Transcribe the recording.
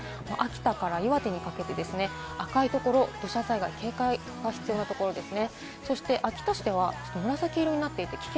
秋田から岩手にかけてですね、赤いところ、土砂災害警戒が必要なところですね。